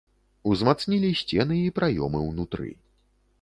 Узмацнілі сцены і праёмы унутры.